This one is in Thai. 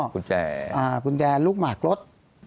คุณแจร์คุณแจร์ลูกหมากรส